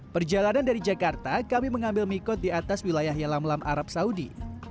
perjalanan dari jakarta kami mengambil mikot di atas wilayah yalam lam arab saudi